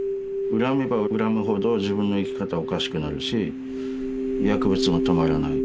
恨めば恨むほど自分の生き方おかしくなるし薬物も止まらない。